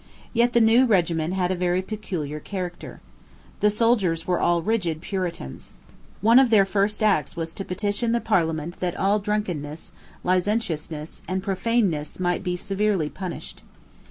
Yet the new regiment had a very peculiar character. The soldiers were all rigid Puritans. One of their first acts was to petition the Parliament that all drunkenness, licentiousness, and profaneness might be severely punished.